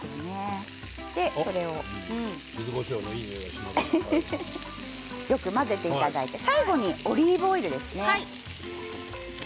ゆずこしょうのよく混ぜていただいて最後にオリーブオイルですね。